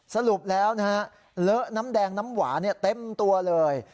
สรุปแล้วนะฮะเลอะน้ำแดงน้ำหวานเต็มตัวเลย